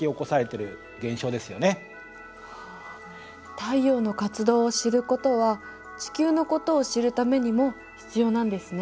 太陽の活動を知ることは地球のことを知るためにも必要なんですね。